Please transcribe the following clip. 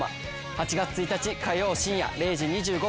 ８月１日火曜深夜０時２５分スタート